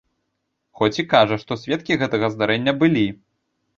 Хоць і кажа, што сведкі гэтага здарэння былі.